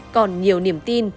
còn nhiều niềm tin